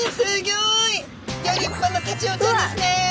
ギョ立派なタチウオちゃんですね！